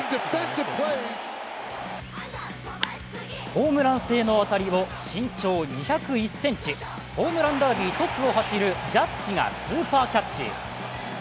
ホームラン性の当たりを身長２０１ｃｍ、ホームランダービートップを走るジャッジがスーパーキャッチ。